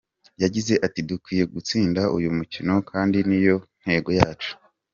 Yagize ati “Dukwiye gutsinda uyu mukino kandi ni yo ntego yacu.